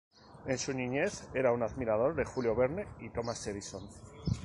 En su niñez era un admirador de Julio Verne y Thomas Edison.